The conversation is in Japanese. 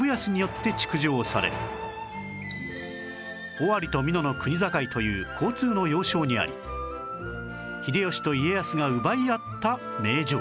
尾張と美濃の国境という交通の要衝にあり秀吉と家康が奪い合った名城